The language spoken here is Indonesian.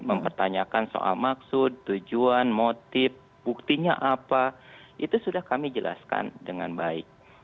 mempertanyakan soal maksud tujuan motif buktinya apa itu sudah kami jelaskan dengan baik